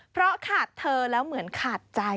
เพราะขาดเธอแล้วเหมือนขาดใจ